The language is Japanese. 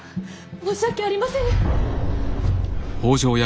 申し訳ありませぬ。